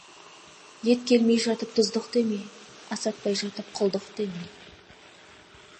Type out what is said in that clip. Ет келмей жатып «тұздық» деме, асатпай жатып «құлдық» деме.